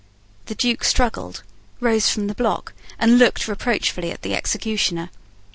The Duke struggled, rose from the block, and looked reproachfully at the executioner.